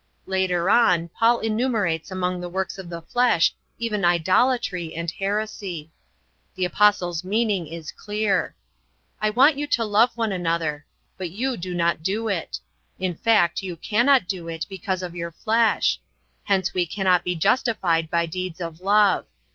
Later on Paul enumerates among the works of the flesh even idolatry and heresy. The apostle's meaning is clear. "I want you to love one another. But you do not do it. In fact you cannot do it, because of your flesh. Hence we cannot be justified by deeds of love.